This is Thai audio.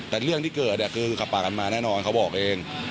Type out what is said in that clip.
แต่เรื่องที่เกิดคือขับปากกันมาแน่นอนเขาบอกเอง